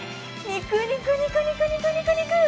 ニクニクニクニクニク！